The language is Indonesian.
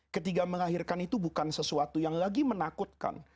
ketiga melahirkan itu bukan sesuatu yang lagi menakutkan